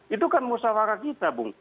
itu kan musawarah kita bung